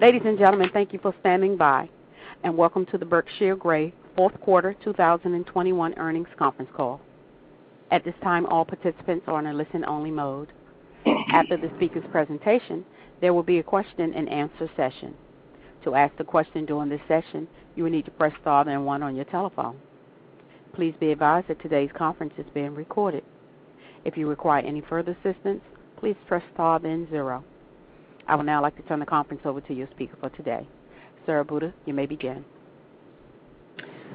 Ladies and gentlemen, thank you for standing by, and welcome to the Berkshire Grey Fourth Quarter 2021 Earnings conference call. At this time, all participants are in a listen-only mode. After the speaker's presentation, there will be a question-and-answer session. To ask the question during this session, you will need to press star then one on your telephone. Please be advised that today's conference is being recorded. If you require any further assistance, please press star then zero. I would now like to turn the conference over to your speaker for today. Sara Buda, you may begin.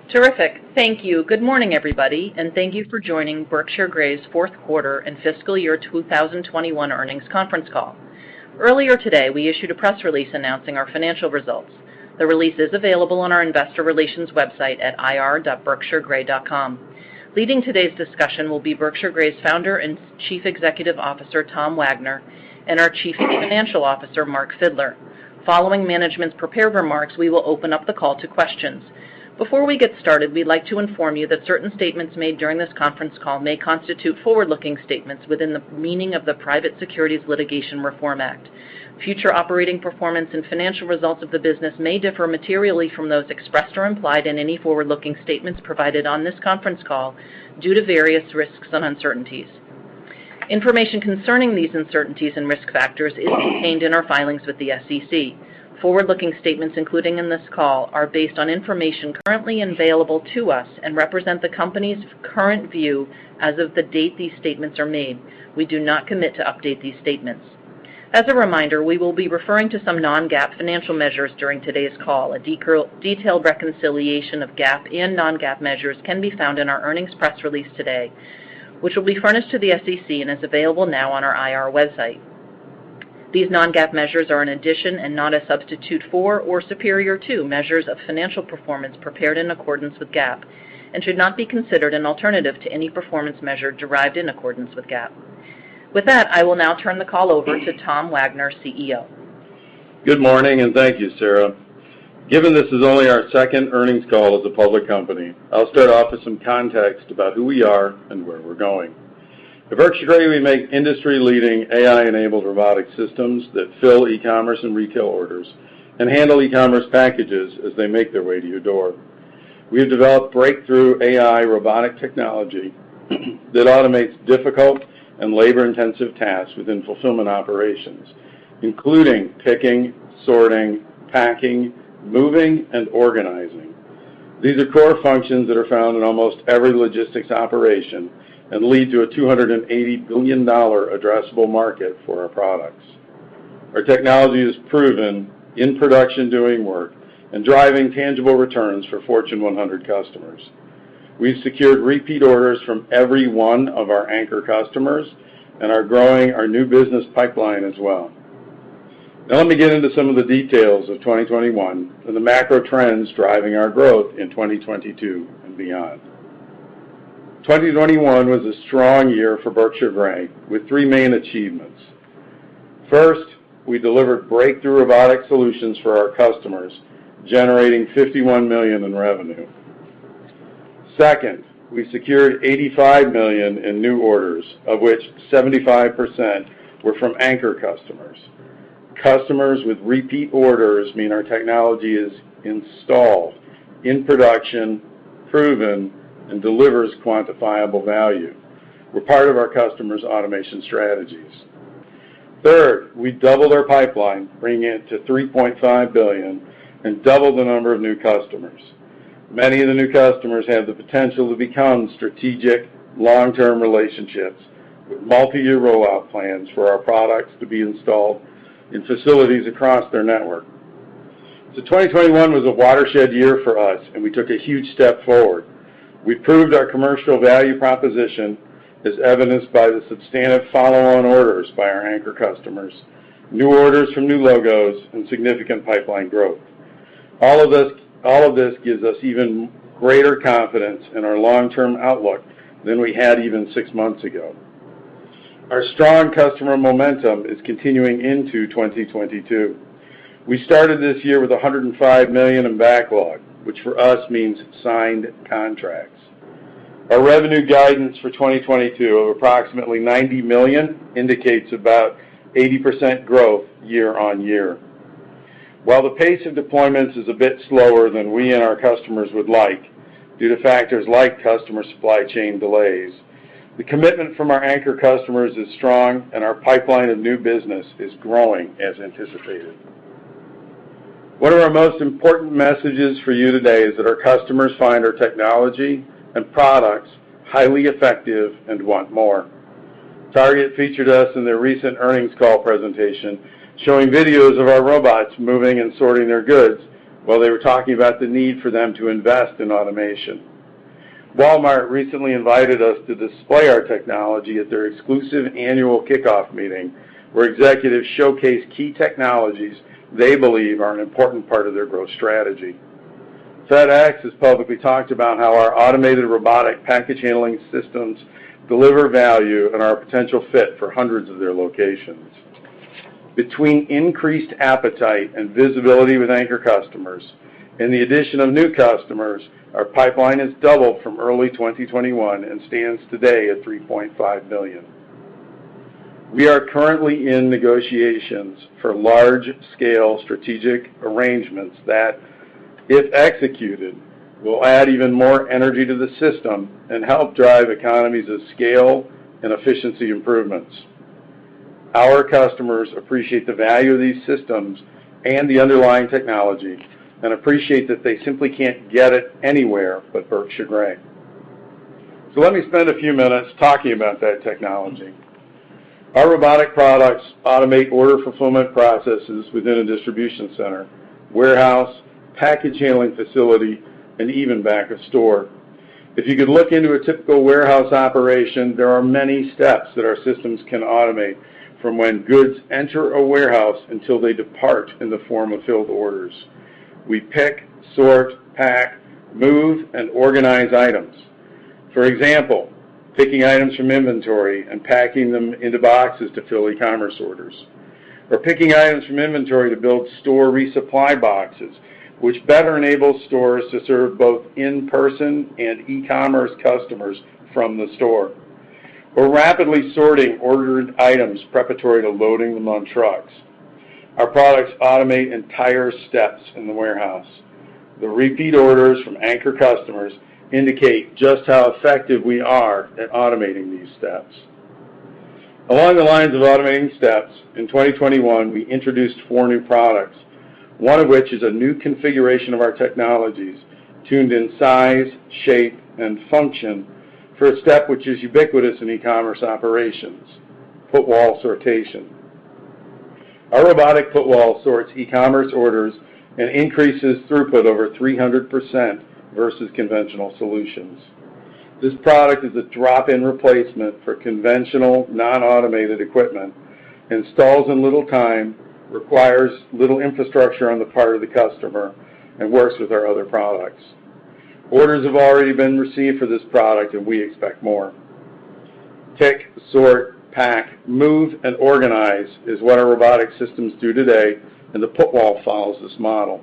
Terrific. Thank you. Good morning, everybody, and thank you for joining Berkshire Grey's Fourth Quarter and Fiscal Year 2021 Earnings conference call. Earlier today, we issued a press release announcing our financial results. The release is available on our investor relations website at ir.berkshiregrey.com. Leading today's discussion will be Berkshire Grey's founder and Chief Executive Officer, Tom Wagner, and our Chief Financial Officer, Mark Fidler. Following management's prepared remarks, we will open up the call to questions. Before we get started, we'd like to inform you that certain statements made during this conference call may constitute forward-looking statements within the meaning of the Private Securities Litigation Reform Act. Future operating performance and financial results of the business may differ materially from those expressed or implied in any forward-looking statements provided on this conference call due to various risks and uncertainties. Information concerning these uncertainties and risk factors is contained in our filings with the SEC. Forward-looking statements, including in this call, are based on information currently available to us and represent the company's current view as of the date these statements are made. We do not commit to update these statements. As a reminder, we will be referring to some non-GAAP financial measures during today's call. A detailed reconciliation of GAAP and non-GAAP measures can be found in our earnings press release today, which will be furnished to the SEC and is available now on our IR website. These non-GAAP measures are an addition and not a substitute for or superior to measures of financial performance prepared in accordance with GAAP and should not be considered an alternative to any performance measure derived in accordance with GAAP. With that, I will now turn the call over to Tom Wagner, CEO. Good morning, and thank you, Sara. Given this is only our second earnings call as a public company, I'll start off with some context about who we are and where we're going. At Berkshire Grey, we make industry-leading AI-enabled robotic systems that fill e-commerce and retail orders and handle e-commerce packages as they make their way to your door. We have developed breakthrough AI robotic technology that automates difficult and labor-intensive tasks within fulfillment operations, including picking, sorting, packing, moving, and organizing. These are core functions that are found in almost every logistics operation and lead to a $280 billion addressable market for our products. Our technology is proven in production doing work and driving tangible returns for Fortune 100 customers. We've secured repeat orders from every one of our anchor customers and are growing our new business pipeline as well. Now let me get into some of the details of 2021 and the macro trends driving our growth in 2022 and beyond. 2021 was a strong year for Berkshire Grey with three main achievements. First, we delivered breakthrough robotic solutions for our customers, generating $51 million in revenue. Second, we secured $85 million in new orders, of which 75% were from anchor customers. Customers with repeat orders mean our technology is installed, in production, proven, and delivers quantifiable value. We're part of our customers' automation strategies. Third, we doubled our pipeline, bringing it to $3.5 billion, and doubled the number of new customers. Many of the new customers have the potential to become strategic long-term relationships with multi-year rollout plans for our products to be installed in facilities across their network. 2021 was a watershed year for us, and we took a huge step forward. We proved our commercial value proposition, as evidenced by the substantive follow-on orders by our anchor customers, new orders from new logos, and significant pipeline growth. All of this gives us even greater confidence in our long-term outlook than we had even six months ago. Our strong customer momentum is continuing into 2022. We started this year with $105 million in backlog, which for us means signed contracts. Our revenue guidance for 2022 of approximately $90 million indicates about 80% growth year-on-year. While the pace of deployments is a bit slower than we and our customers would like due to factors like customer supply chain delays, the commitment from our anchor customers is strong and our pipeline of new business is growing as anticipated. One of our most important messages for you today is that our customers find our technology and products highly effective and want more. Target featured us in their recent earnings call presentation, showing videos of our robots moving and sorting their goods while they were talking about the need for them to invest in automation. Walmart recently invited us to display our technology at their exclusive annual kickoff meeting, where executives showcase key technologies they believe are an important part of their growth strategy. FedEx has publicly talked about how our automated robotic package handling systems deliver value and are a potential fit for hundreds of their locations. Between increased appetite and visibility with anchor customers and the addition of new customers, our pipeline has doubled from early 2021 and stands today at $3.5 billion. We are currently in negotiations for large-scale strategic arrangements that, if executed, will add even more energy to the system and help drive economies of scale and efficiency improvements. Our customers appreciate the value of these systems and the underlying technology and appreciate that they simply can't get it anywhere but Berkshire Grey. Let me spend a few minutes talking about that technology. Our robotic products automate order fulfillment processes within a distribution center, warehouse, package handling facility, and even back of store. If you could look into a typical warehouse operation, there are many steps that our systems can automate from when goods enter a warehouse until they depart in the form of filled orders. We pick, sort, pack, move, and organize items. For example, picking items from inventory and packing them into boxes to fill e-commerce orders, or picking items from inventory to build store resupply boxes, which better enables stores to serve both in-person and e-commerce customers from the store. We're rapidly sorting ordered items preparatory to loading them on trucks. Our products automate entire steps in the warehouse. The repeat orders from anchor customers indicate just how effective we are at automating these steps. Along the lines of automating steps, in 2021, we introduced four new products, one of which is a new configuration of our technologies tuned in size, shape, and function for a step which is ubiquitous in e-commerce operations, put wall sortation. Our robotic put wall sorts e-commerce orders and increases throughput over 300% versus conventional solutions. This product is a drop-in replacement for conventional non-automated equipment, installs in little time, requires little infrastructure on the part of the customer, and works with our other products. Orders have already been received for this product, and we expect more. Pick, sort, pack, move, and organize is what our robotic systems do today, and the put wall follows this model.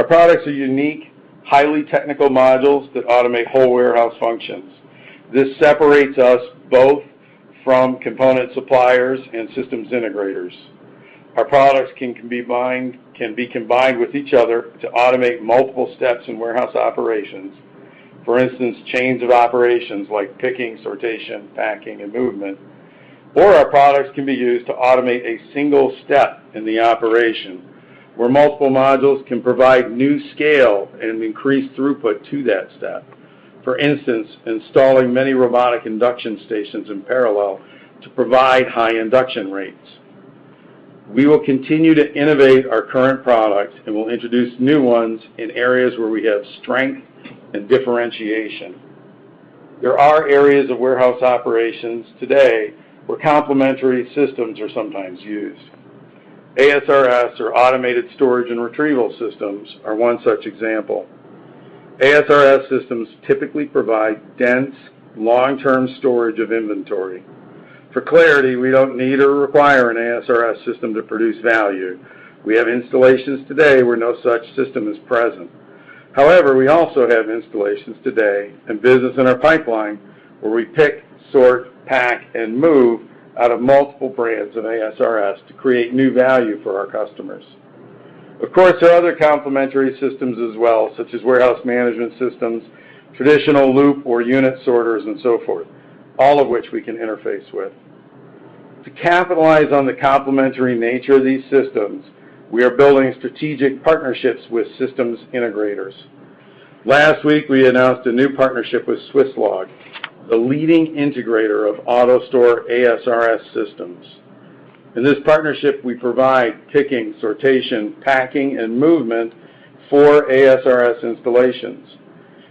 Our products are unique, highly technical modules that automate whole warehouse functions. This separates us both from component suppliers and systems integrators. Our products can be combined with each other to automate multiple steps in warehouse operations. For instance, chains of operations like picking, sortation, packing, and movement, or our products can be used to automate a single step in the operation where multiple modules can provide new scale and increase throughput to that step. For instance, installing many robotic induction stations in parallel to provide high induction rates. We will continue to innovate our current products, and we'll introduce new ones in areas where we have strength and differentiation. There are areas of warehouse operations today where complementary systems are sometimes used. ASRS, or automated storage and retrieval systems, are one such example. ASRS systems typically provide dense, long-term storage of inventory. For clarity, we don't need or require an ASRS system to produce value. We have installations today where no such system is present. However, we also have installations today and business in our pipeline where we pick, sort, pack, and move out of multiple brands of ASRS to create new value for our customers. Of course, there are other complementary systems as well, such as warehouse management systems, traditional loop or unit sorters, and so forth, all of which we can interface with. To capitalize on the complementary nature of these systems, we are building strategic partnerships with systems integrators. Last week, we announced a new partnership with Swisslog, the leading integrator of AutoStore ASRS systems. In this partnership, we provide picking, sortation, packing, and movement for ASRS installations.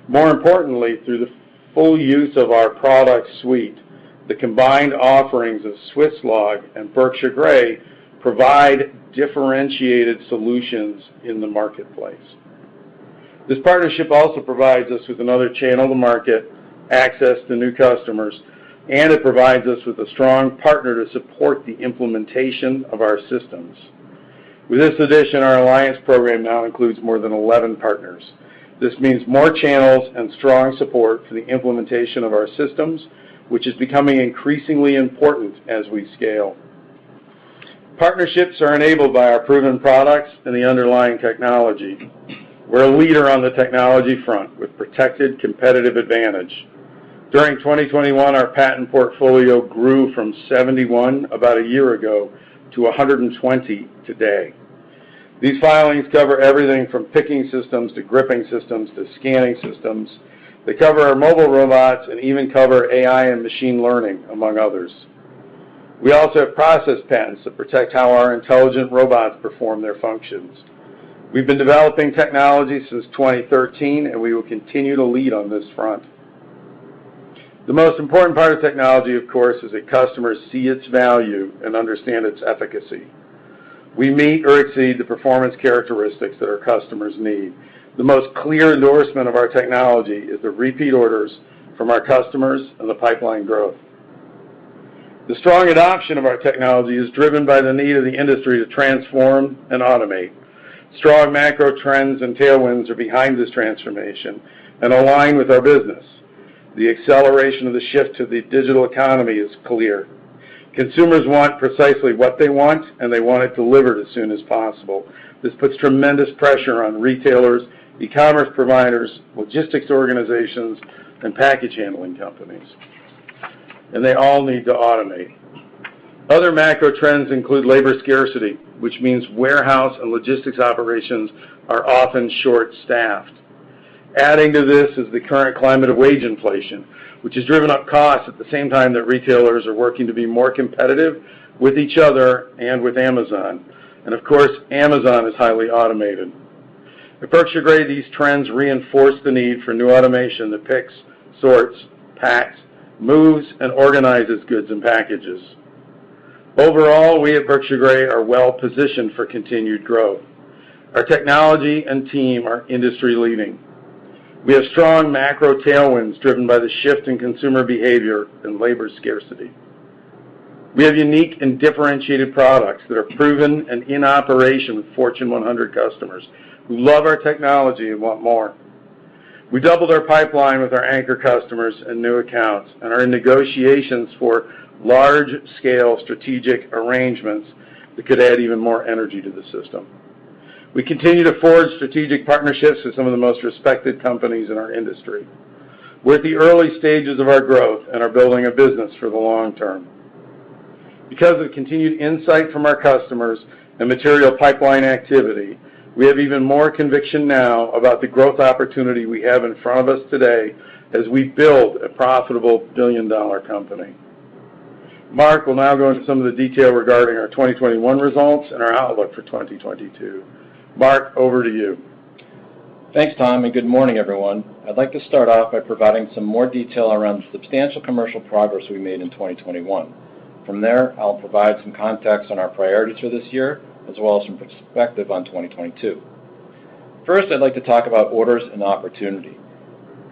More importantly, through the full use of our product suite, the combined offerings of Swisslog and Berkshire Grey provide differentiated solutions in the marketplace. This partnership also provides us with another channel to market, access to new customers, and it provides us with a strong partner to support the implementation of our systems. With this addition, our alliance program now includes more than 11 partners. This means more channels and strong support for the implementation of our systems, which is becoming increasingly important as we scale. Partnerships are enabled by our proven products and the underlying technology. We're a leader on the technology front with protected competitive advantage. During 2021, our patent portfolio grew from 71 about a year ago to 120 today. These filings cover everything from picking systems to gripping systems to scanning systems. They cover our mobile robots and even cover AI and machine learning, among others. We also have process patents that protect how our intelligent robots perform their functions. We've been developing technology since 2013, and we will continue to lead on this front. The most important part of technology, of course, is that customers see its value and understand its efficacy. We meet or exceed the performance characteristics that our customers need. The most clear endorsement of our technology is the repeat orders from our customers and the pipeline growth. The strong adoption of our technology is driven by the need of the industry to transform and automate. Strong macro trends and tailwinds are behind this transformation and align with our business. The acceleration of the shift to the digital economy is clear. Consumers want precisely what they want, and they want it delivered as soon as possible. This puts tremendous pressure on retailers, e-commerce providers, logistics organizations, and package handling companies, and they all need to automate. Other macro trends include labor scarcity, which means warehouse and logistics operations are often short-staffed. Adding to this is the current climate of wage inflation, which has driven up costs at the same time that retailers are working to be more competitive with each other and with Amazon. Of course, Amazon is highly automated. At Berkshire Grey, these trends reinforce the need for new automation that picks, sorts, packs, moves, and organizes goods and packages. Overall, we at Berkshire Grey are well positioned for continued growth. Our technology and team are industry-leading. We have strong macro tailwinds driven by the shift in consumer behavior and labor scarcity. We have unique and differentiated products that are proven and in operation with Fortune 100 customers who love our technology and want more. We doubled our pipeline with our anchor customers and new accounts and are in negotiations for large-scale strategic arrangements that could add even more energy to the system. We continue to forge strategic partnerships with some of the most respected companies in our industry. We're at the early stages of our growth and are building a business for the long term. Because of continued insight from our customers and material pipeline activity, we have even more conviction now about the growth opportunity we have in front of us today as we build a profitable billion-dollar company. Mark will now go into some of the detail regarding our 2021 results and our outlook for 2022. Mark, over to you. Thanks, Tom, and good morning, everyone. I'd like to start off by providing some more detail around the substantial commercial progress we made in 2021. From there, I'll provide some context on our priorities for this year as well as some perspective on 2022. First, I'd like to talk about orders and opportunity.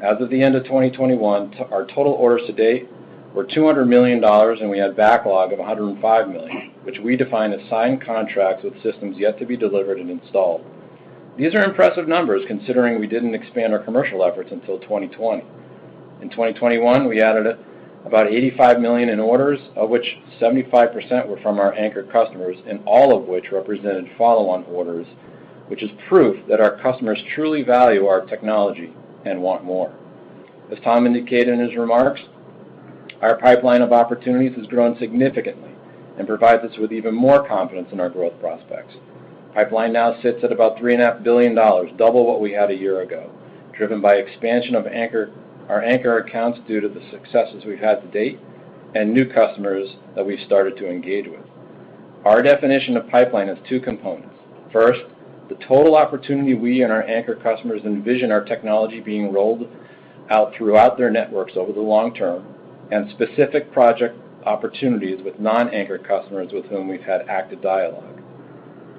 As of the end of 2021, our total orders to date were $200 million, and we had backlog of $105 million, which we define as signed contracts with systems yet to be delivered and installed. These are impressive numbers considering we didn't expand our commercial efforts until 2020. In 2021, we added about $85 million in orders, of which 75% were from our anchor customers and all of which represented follow-on orders, which is proof that our customers truly value our technology and want more. As Tom indicated in his remarks, our pipeline of opportunities has grown significantly and provides us with even more confidence in our growth prospects. Pipeline now sits at about $3.5 billion, double what we had a year ago, driven by expansion of our anchor accounts due to the successes we've had to date and new customers that we've started to engage with. Our definition of pipeline is two components. First, the total opportunity we and our anchor customers envision our technology being rolled out throughout their networks over the long term and specific project opportunities with non-anchor customers with whom we've had active dialogue.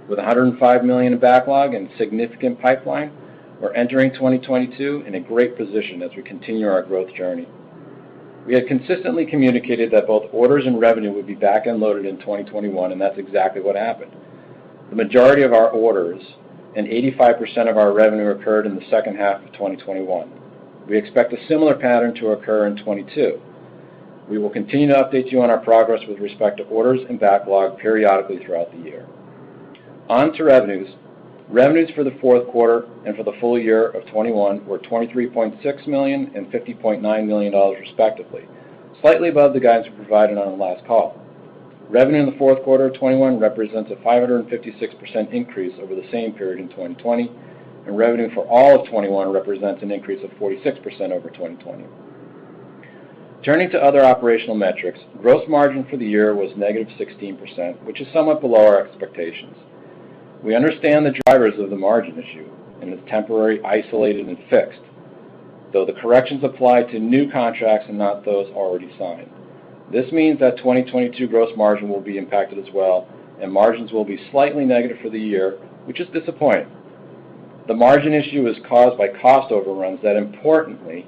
With $105 million in backlog and significant pipeline, we're entering 2022 in a great position as we continue our growth journey. We have consistently communicated that both orders and revenue would be back-end loaded in 2021, and that's exactly what happened. The majority of our orders and 85% of our revenue occurred in the second half of 2021. We expect a similar pattern to occur in 2022. We will continue to update you on our progress with respect to orders and backlog periodically throughout the year. On to revenues. Revenues for the fourth quarter and for the full year of 2021 were $23.6 million and $50.9 million respectively, slightly above the guidance we provided on our last call. Revenue in the fourth quarter of 2021 represents a 556% increase over the same period in 2020, and revenue for all of 2021 represents an increase of 46% over 2020. Turning to other operational metrics, gross margin for the year was negative 16%, which is somewhat below our expectations. We understand the drivers of the margin issue, and it's temporary, isolated, and fixed, though the corrections apply to new contracts and not those already signed. This means that 2022 gross margin will be impacted as well, and margins will be slightly negative for the year, which is disappointing. The margin issue is caused by cost overruns that importantly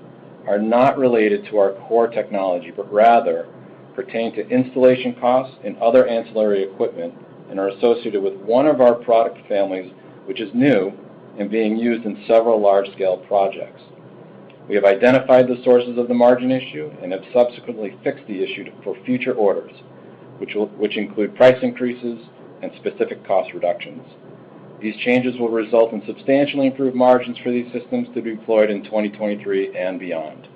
are not related to our core technology but rather pertain to installation costs and other ancillary equipment and are associated with one of our product families, which is new and being used in several large-scale projects. We have identified the sources of the margin issue and have subsequently fixed the issue for future orders, which will include price increases and specific cost reductions. These changes will result in substantially improved margins for these systems to be deployed in 2023 and beyond.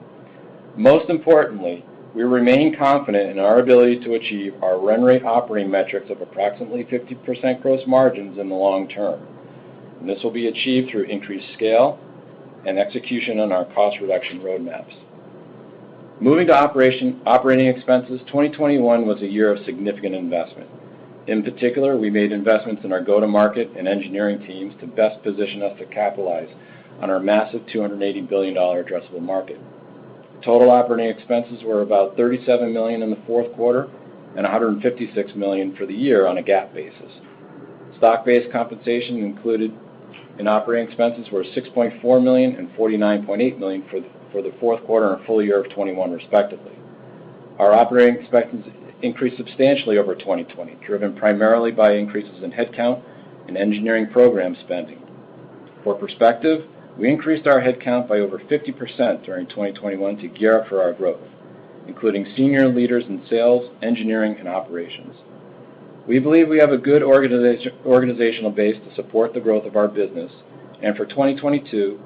Most importantly, we remain confident in our ability to achieve our run rate operating metrics of approximately 50% gross margins in the long term. This will be achieved through increased scale and execution on our cost reduction roadmaps. Moving to operating expenses, 2021 was a year of significant investment. In particular, we made investments in our go-to-market and engineering teams to best position us to capitalize on our massive $280 billion addressable market. Total operating expenses were about $37 million in the fourth quarter and $156 million for the year on a GAAP basis. Stock-based compensation included in operating expenses were $6.4 million and $49.8 million for the fourth quarter and full year of 2021 respectively. Our operating expenses increased substantially over 2020, driven primarily by increases in headcount and engineering program spending. For perspective, we increased our headcount by over 50% during 2021 to gear up for our growth, including senior leaders in sales, engineering, and operations. We believe we have a good organizational base to support the growth of our business. For 2022,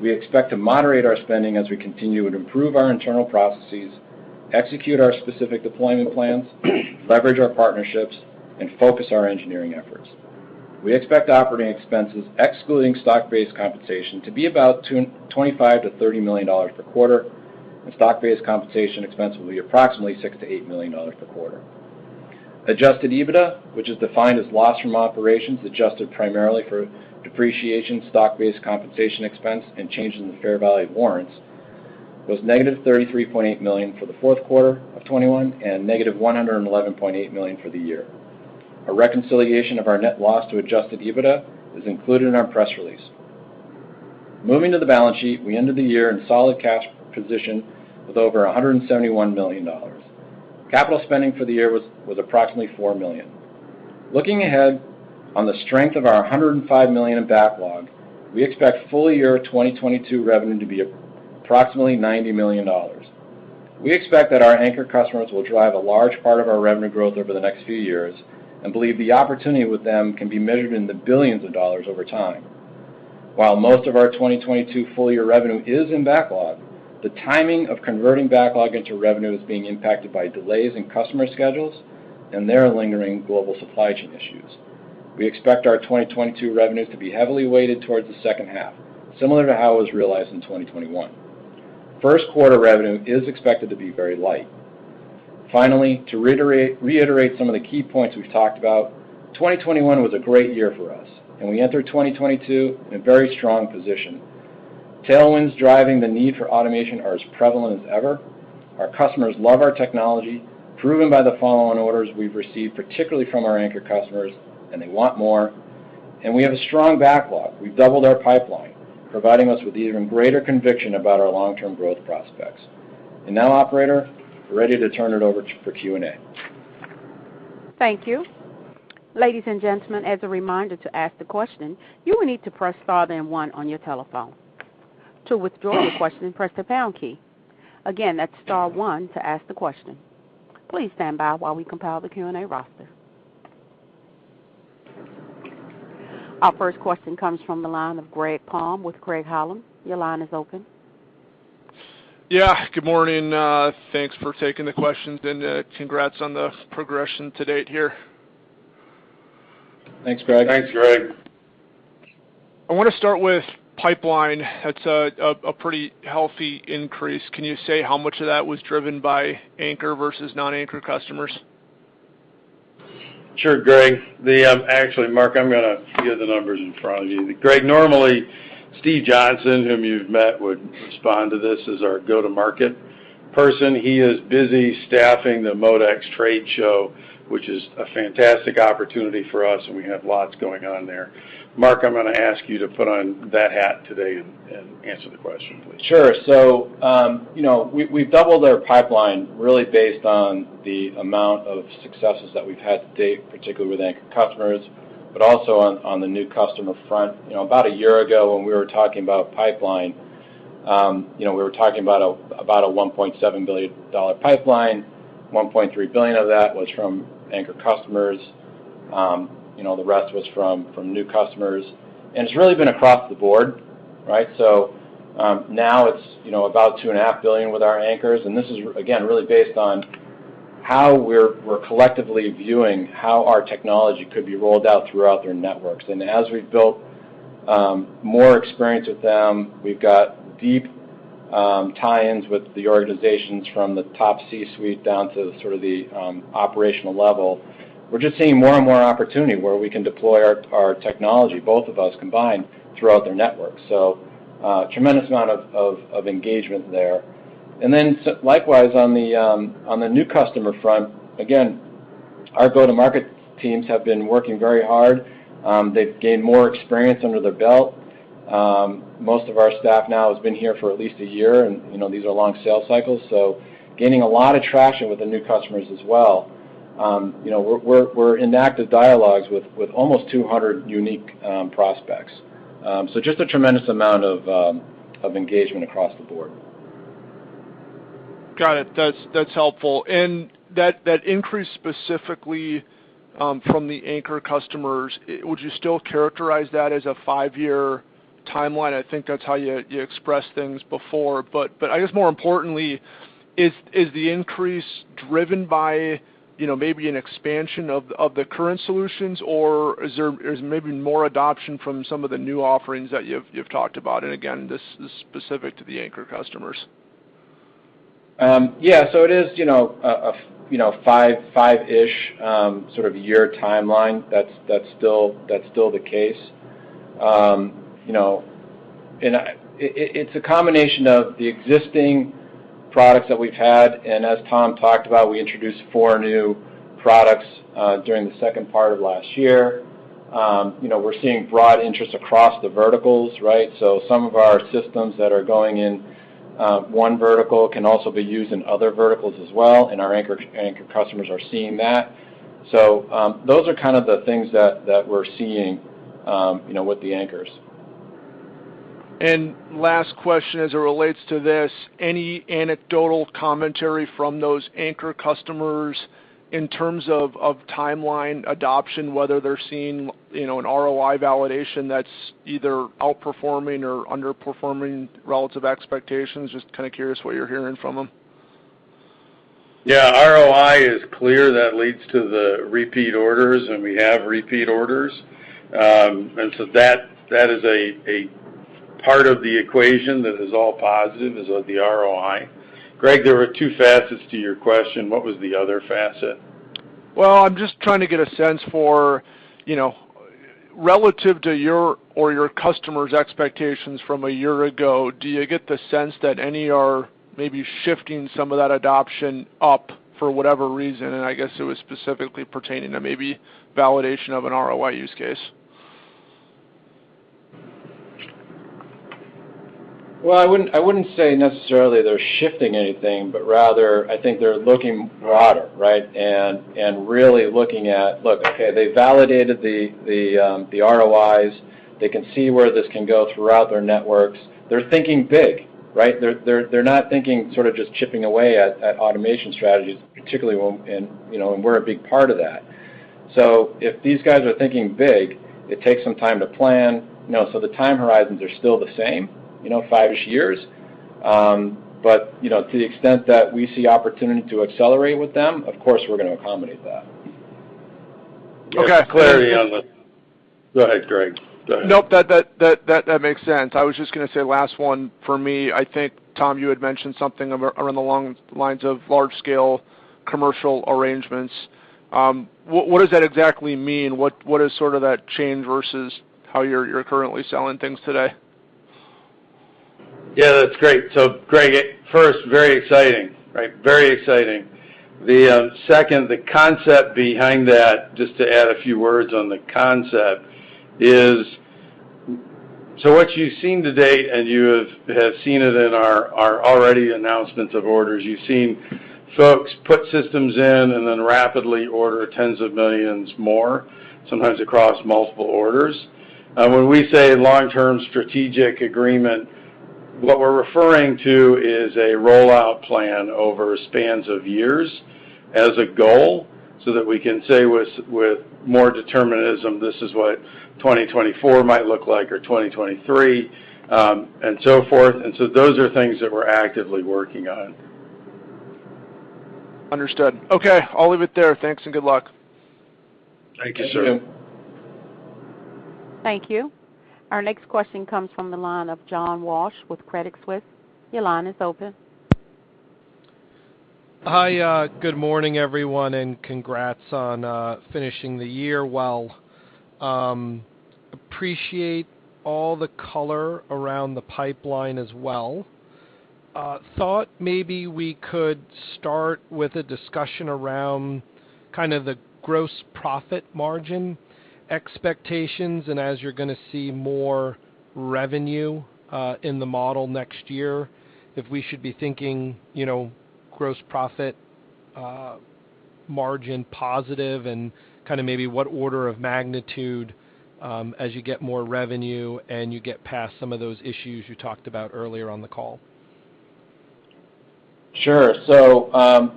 we expect to moderate our spending as we continue to improve our internal processes, execute our specific deployment plans, leverage our partnerships, and focus our engineering efforts. We expect operating expenses, excluding stock-based compensation, to be about $25 million-$30 million per quarter, and stock-based compensation expense will be approximately $6 million-$8 million per quarter. Adjusted EBITDA, which is defined as loss from operations, adjusted primarily for depreciation, stock-based compensation expense, and changes in the fair value of warrants, was negative $33.8 million for the fourth quarter of 2021 and negative $111.8 million for the year. A reconciliation of our net loss to adjusted EBITDA is included in our press release. Moving to the balance sheet, we ended the year in solid cash position with over $171 million. Capital spending for the year was approximately $4 million. Looking ahead, on the strength of our $105 million in backlog, we expect full year 2022 revenue to be approximately $90 million. We expect that our anchor customers will drive a large part of our revenue growth over the next few years and believe the opportunity with them can be measured in the billions of dollars over time. While most of our 2022 full year revenue is in backlog, the timing of converting backlog into revenue is being impacted by delays in customer schedules and their lingering global supply chain issues. We expect our 2022 revenues to be heavily weighted towards the second half, similar to how it was realized in 2021. First quarter revenue is expected to be very light. Finally, to reiterate some of the key points we've talked about, 2021 was a great year for us, and we enter 2022 in a very strong position. Tailwinds driving the need for automation are as prevalent as ever. Our customers love our technology, proven by the following orders we've received, particularly from our anchor customers, and they want more, and we have a strong backlog. We've doubled our pipeline, providing us with even greater conviction about our long-term growth prospects. Now, operator, we're ready to turn it over for Q&A. Thank you. Ladies and gentlemen, as a reminder, to ask the question, you will need to press star then one on your telephone. To withdraw the question, press the pound key. Again, that's star one to ask the question. Please stand by while we compile the Q&A roster. Our first question comes from the line of Greg Palm with Craig-Hallum. Your line is open. Yeah, good morning. Thanks for taking the questions, and congrats on the progression to date here. Thanks, Greg. Thanks, Greg. I wanna start with pipeline. That's a pretty healthy increase. Can you say how much of that was driven by anchor versus non-anchor customers? Sure, Greg. Actually, Mark, I'm gonna give the numbers in front of you. Greg, normally, Steve Johnson, whom you've met, would respond to this, as our go-to-market person. He is busy staffing the MODEX trade show, which is a fantastic opportunity for us, and we have lots going on there. Mark, I'm gonna ask you to put on that hat today and answer the question, please. Sure. You know, we've doubled our pipeline really based on the amount of successes that we've had to date, particularly with anchor customers, but also on the new customer front. You know, about a year ago, when we were talking about pipeline, you know, we were talking about a $1.7 billion pipeline. $1.3 billion of that was from anchor customers. You know, the rest was from new customers. It's really been across the board, right? Now it's, you know, about $2.5 billion with our anchors, and this is, again, really based on how we're collectively viewing how our technology could be rolled out throughout their networks. As we've built more experience with them, we've got deep tie-ins with the organizations from the top C-suite down to sort of the operational level. We're just seeing more and more opportunity where we can deploy our technology, both of us combined, throughout their network. Tremendous amount of engagement there. Likewise, on the new customer front, again, our go-to-market teams have been working very hard. They've gained more experience under their belt. Most of our staff now has been here for at least a year, and you know, these are long sales cycles, so gaining a lot of traction with the new customers as well. You know, we're in active dialogues with almost 200 unique prospects. Just a tremendous amount of engagement across the board. Got it. That's helpful. That increase specifically from the anchor customers, would you still characterize that as a 5-year timeline? I think that's how you expressed things before. I guess more importantly, is the increase driven by, you know, maybe an expansion of the current solutions, or is there maybe more adoption from some of the new offerings that you've talked about? This is specific to the anchor customers. Yeah. It is, you know, a five-ish sort of year timeline. That's still the case. You know, it's a combination of the existing products that we've had, and as Tom talked about, we introduced four new products during the second part of last year. You know, we're seeing broad interest across the verticals, right? Some of our systems that are going in one vertical can also be used in other verticals as well, and our anchor customers are seeing that. Those are kind of the things that we're seeing, you know, with the anchors. Last question as it relates to this, any anecdotal commentary from those anchor customers in terms of timeline adoption, whether they're seeing, you know, an ROI validation that's either outperforming or underperforming relative expectations? Just kind of curious what you're hearing from them. Yeah. ROI is clear. That leads to the repeat orders, and we have repeat orders. That is a part of the equation that is all positive is of the ROI. Greg, there were two facets to your question. What was the other facet? Well, I'm just trying to get a sense for, you know, relative to your or your customers' expectations from a year ago, do you get the sense that any are maybe shifting some of that adoption up for whatever reason? I guess it was specifically pertaining to maybe validation of an ROI use case. Well, I wouldn't say necessarily they're shifting anything, but rather I think they're looking broader, right? They validated the ROIs. They can see where this can go throughout their networks. They're thinking big, right? They're not thinking sort of just chipping away at automation strategies, particularly when you know, we're a big part of that. If these guys are thinking big, it takes some time to plan. You know, the time horizons are still the same, you know, five-ish years. You know, to the extent that we see opportunity to accelerate with them, of course, we're gonna accommodate that. Okay. Go ahead, Greg. Go ahead. Nope. That makes sense. I was just gonna say last one for me. I think, Tom, you had mentioned something along the lines of large scale commercial arrangements. What does that exactly mean? What is sort of that change versus how you're currently selling things today? Yeah, that's great. Greg, first, very exciting, right? Very exciting. The second, the concept behind that, just to add a few words on the concept, is so what you've seen to date, and you have seen it in our already announcements of orders, you've seen folks put systems in and then rapidly order tens of millions more, sometimes across multiple orders. When we say long-term strategic agreement, what we're referring to is a rollout plan over spans of years as a goal so that we can say with more determinism, this is what 2024 might look like or 2023, and so forth. Those are things that we're actively working on. Understood. Okay. I'll leave it there. Thanks and good luck. Thank you, sir. Thank you. Thank you. Our next question comes from the line of John Walsh with Credit Suisse. Your line is open. Hi. Good morning, everyone, and congrats on finishing the year well. I appreciate all the color around the pipeline as well. I thought maybe we could start with a discussion around kind of the gross profit margin expectations, and as you're gonna see more revenue in the model next year, if we should be thinking, you know, gross profit margin positive and kind of maybe what order of magnitude, as you get more revenue and you get past some of those issues you talked about earlier on the call. Sure.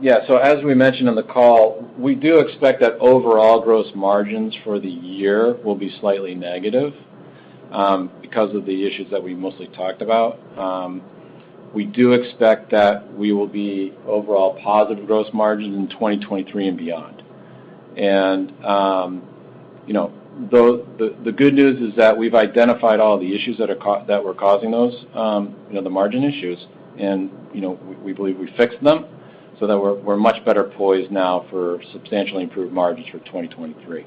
Yeah. As we mentioned on the call, we do expect that overall gross margins for the year will be slightly negative, because of the issues that we mostly talked about. We do expect that we will be overall positive gross margin in 2023 and beyond. You know, the good news is that we've identified all the issues that were causing those, you know, the margin issues and, you know, we believe we fixed them so that we're much better poised now for substantially improved margins for 2023.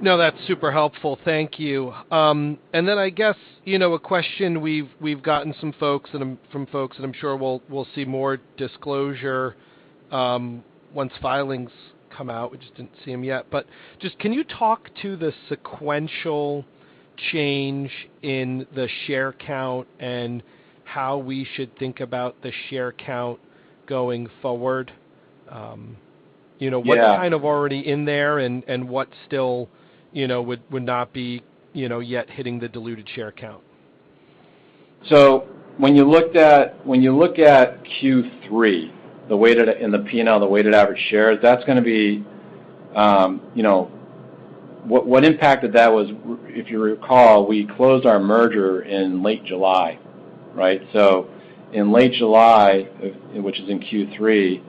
No, that's super helpful. Thank you. I guess, you know, a question we've gotten from some folks, and I'm sure we'll see more disclosure once filings come out. We just didn't see them yet. Just can you talk to the sequential change in the share count and how we should think about the share count going forward? You know- Yeah. What's kind of already in there and what still, you know, would not be, you know, yet hitting the diluted share count? When you look at Q3, in the P&L, the weighted average shares, that's gonna be what impacted that was, if you recall, we closed our merger in late July, right? In late July, which is in Q3,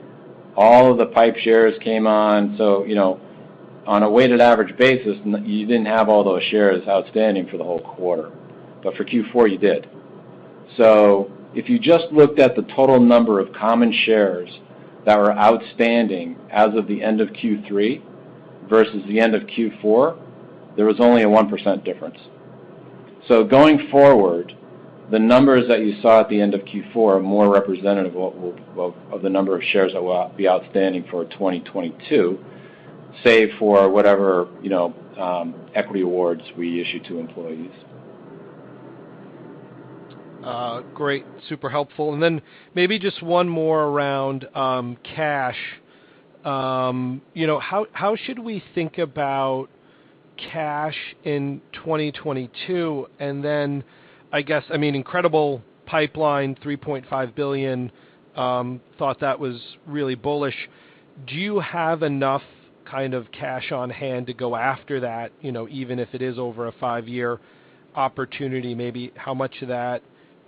all of the PIPE shares came on. On a weighted average basis, you didn't have all those shares outstanding for the whole quarter, but for Q4 you did. If you just looked at the total number of common shares that were outstanding as of the end of Q3 versus the end of Q4, there was only a 1% difference. Going forward, the numbers that you saw at the end of Q4 are more representative of the number of shares that will be outstanding for 2022, save for whatever, you know, equity awards we issue to employees. Great, super helpful. Then maybe just one more around cash. You know, how should we think about cash in 2022? Then I guess, I mean, incredible pipeline, $3.5 billion, thought that was really bullish. Do you have enough kind of cash on hand to go after that, you know, even if it is over a five-year opportunity? Maybe how much of that,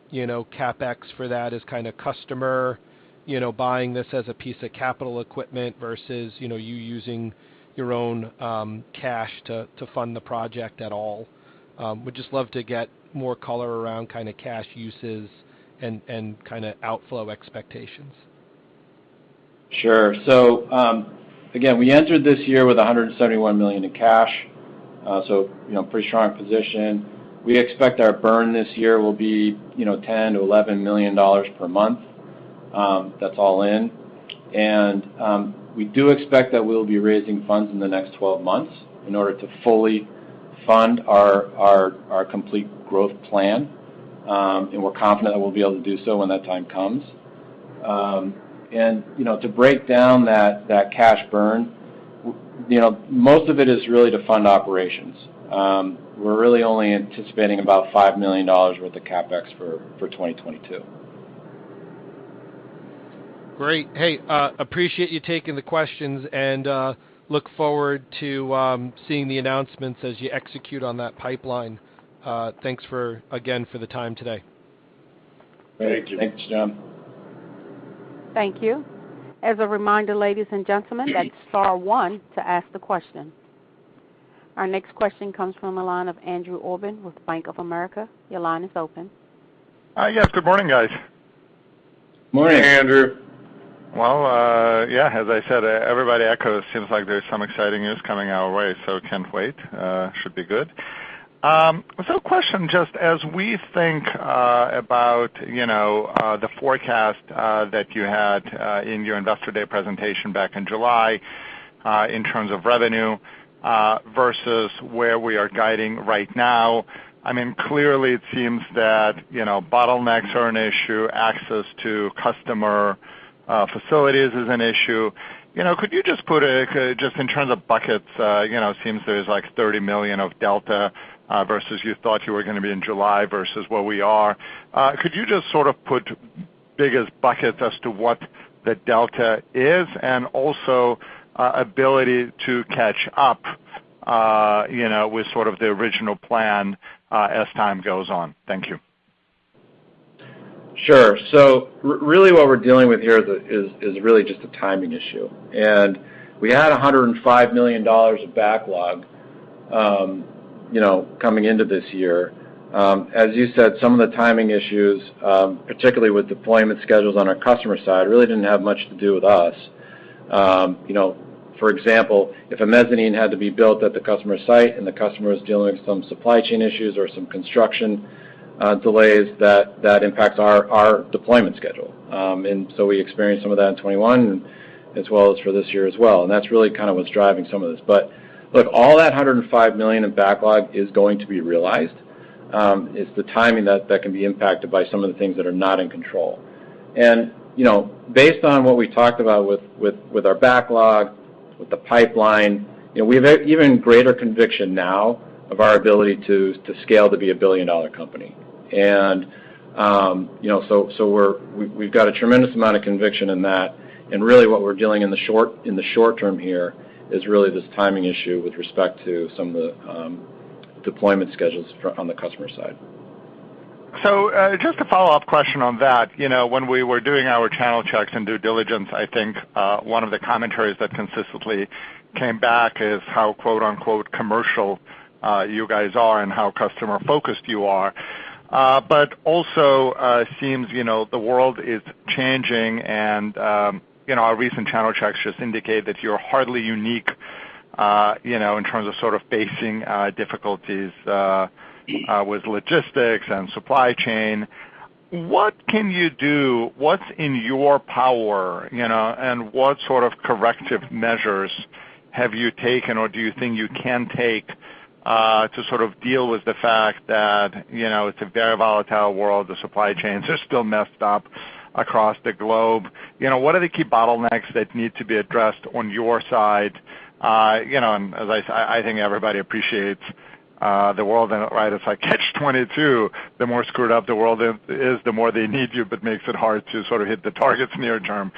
you know, CapEx for that is kinda customer, you know, buying this as a piece of capital equipment versus, you know, you using your own cash to fund the project at all. Would just love to get more color around kinda cash uses and kinda outflow expectations. Sure. Again, we entered this year with $171 million in cash, so you know, pretty strong position. We expect our burn this year will be, you know, $10 million-$11 million per month, that's all in. We do expect that we'll be raising funds in the next 12 months in order to fully fund our complete growth plan, and we're confident that we'll be able to do so when that time comes. You know, to break down that cash burn, you know, most of it is really to fund operations. We're really only anticipating about $5 million worth of CapEx for 2022. Great. Hey, appreciate you taking the questions, and look forward to seeing the announcements as you execute on that pipeline. Thanks, again, for the time today. Thank you. Thanks, John. Thank you. As a reminder, ladies and gentlemen, hit star one to ask the question. Our next question comes from the line of Andrew Obin with Bank of America. Your line is open. Yes, good morning, guys. Morning. Morning, Andrew. Well, yeah, as I said, everybody echoes. It seems like there's some exciting news coming our way, so can't wait. Should be good. Question just as we think about, you know, the forecast that you had in your Investor Day presentation back in July, in terms of revenue versus where we are guiding right now. I mean, clearly it seems that, you know, bottlenecks are an issue, access to customer facilities is an issue. You know, could you just in terms of buckets, you know, it seems there's, like, $30 million of delta versus you thought you were gonna be in July versus where we are. Could you just sort of put biggest buckets as to what the delta is and also, ability to catch up, you know, with sort of the original plan, as time goes on? Thank you. Sure. Really what we're dealing with here is really just a timing issue. We had $105 million of backlog, you know, coming into this year. As you said, some of the timing issues, particularly with deployment schedules on our customer side, really didn't have much to do with us. You know, for example, if a mezzanine had to be built at the customer site and the customer is dealing with some supply chain issues or some construction delays, that impacts our deployment schedule. We experienced some of that in 2021 as well as for this year as well, and that's really kind of what's driving some of this. Look, all that $105 million in backlog is going to be realized. It's the timing that can be impacted by some of the things that are not in control. You know, based on what we talked about with our backlog, with the pipeline, you know, we have even greater conviction now of our ability to scale to be a billion-dollar company. You know, so we've got a tremendous amount of conviction in that, and really what we're dealing in the short term here is really this timing issue with respect to some of the deployment schedules on the customer side. Just a follow-up question on that. You know, when we were doing our channel checks and due diligence, I think, one of the commentaries that consistently came back is how, quote-unquote, commercial, you guys are and how customer-focused you are. Also, it seems, you know, the world is changing and, you know, our recent channel checks just indicate that you're hardly unique, you know, in terms of sort of facing difficulties with logistics and supply chain. What can you do? What's in your power, you know, and what sort of corrective measures have you taken or do you think you can take, to sort of deal with the fact that, you know, it's a very volatile world, the supply chains are still messed up across the globe? You know, what are the key bottlenecks that need to be addressed on your side? You know, and as I think everybody appreciates, the world and it, right, it's like Catch-22. The more screwed up the world is, the more they need you, but makes it hard to sort of hit the targets near term.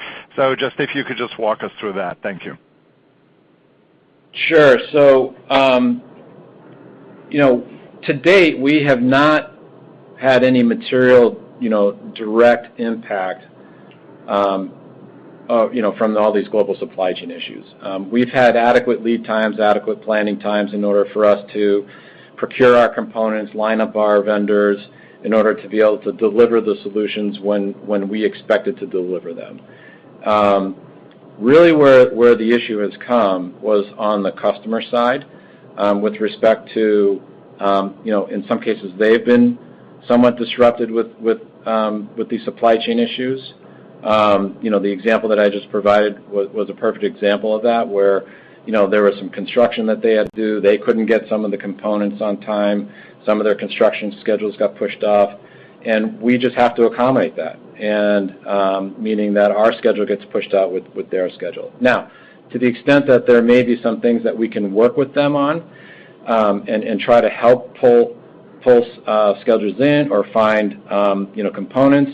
Just if you could just walk us through that. Thank you. Sure. You know, to date, we have not had any material, you know, direct impact, you know, from all these global supply chain issues. We've had adequate lead times, adequate planning times in order for us to procure our components, line up our vendors in order to be able to deliver the solutions when we expected to deliver them. Really where the issue has come was on the customer side, with respect to, you know, in some cases, they've been somewhat disrupted with the supply chain issues. You know, the example that I just provided was a perfect example of that, where, you know, there was some construction that they had to do. They couldn't get some of the components on time. Some of their construction schedules got pushed off. We just have to accommodate that. Meaning that our schedule gets pushed out with their schedule. Now, to the extent that there may be some things that we can work with them on, and try to help pull schedules in or find, you know, components.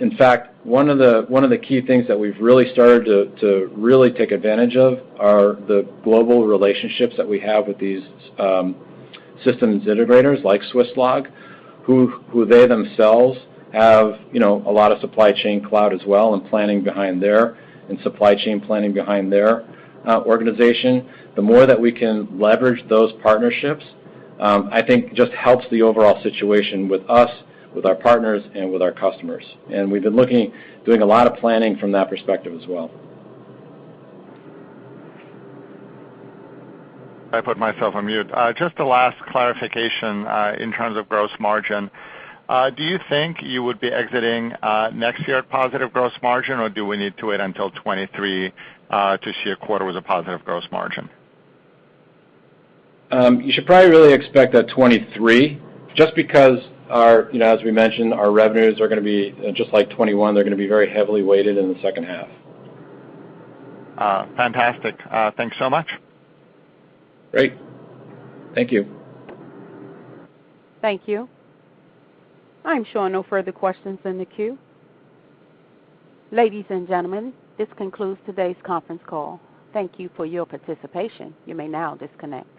In fact, one of the key things that we've really started to really take advantage of are the global relationships that we have with these systems integrators like Swisslog, who they themselves have, you know, a lot of supply chain planning behind their organization. The more that we can leverage those partnerships, I think just helps the overall situation with us, with our partners, and with our customers. We've been looking, doing a lot of planning from that perspective as well. I put myself on mute. Just the last clarification, in terms of gross margin. Do you think you would be exiting next year at positive gross margin, or do we need to wait until 2023 to see a quarter with a positive gross margin? You should probably really expect that 2023 just because, you know, as we mentioned, our revenues are gonna be just like 2021. They're gonna be very heavily weighted in the second half. Fantastic. Thanks so much. Great. Thank you. Thank you. I'm showing no further questions in the queue. Ladies and gentlemen, this concludes today's conference call. Thank you for your participation. You may now disconnect.